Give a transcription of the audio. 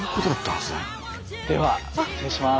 では失礼します。